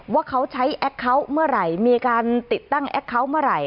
ว่าเขาใช้แอคเคาน์เมื่อไหร่มีการติดตั้งแอคเคาน์เมื่อไหร่